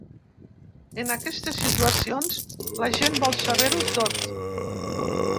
En aquestes situacions, la gent vol saber-ho tot.